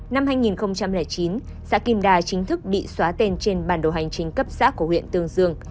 năm hai nghìn chín xã kim đà chính thức bị xóa tên trên bản đồ hành chính cấp xã của huyện tương dương